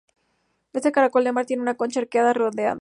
Este caracol de mar tiene una concha arqueada, redondeada.